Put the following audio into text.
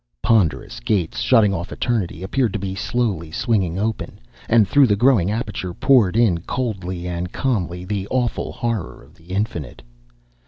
Ponderous gates, shutting off eternity, appeared to be slowly swinging open, and through the growing aperture poured in, coldly and calmly, the awful horror of the Infinite.